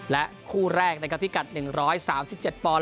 และคู่แรกนะครับพิกัด๑๓๗ปอนด